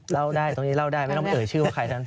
เล่าได้ตรงนี้เล่าได้ไม่ต้องเอ่ยชื่อว่าใครนั้น